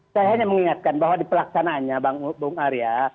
saya hanya mengingatkan bahwa di pelaksanaannya bang arya